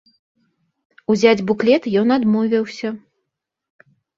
Узяць буклет ён адмовіўся.